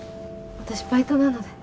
私バイトなので。